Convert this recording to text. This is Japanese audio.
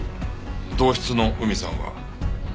同室の海さんは？